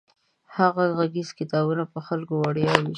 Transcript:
هغه غږیز کتابونه په خلکو وړیا ویشي.